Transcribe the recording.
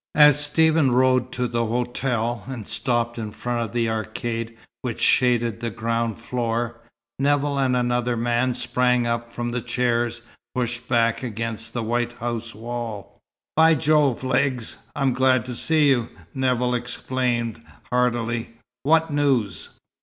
As Stephen rode to the hotel, and stopped in front of the arcade which shaded the ground floor, Nevill and another man sprang up from chairs pushed back against the white house wall. "By Jove, Legs, I'm glad to see you!" Nevill exclaimed, heartily, "What news?"